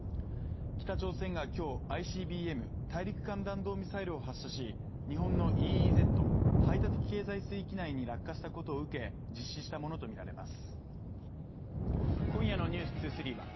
北朝鮮がきょうＩＣＢＭ＝大陸間弾道ミサイルを発射し日本のＥＥＺ＝排他的経済水域内に落下したことを受け実施したものと見られます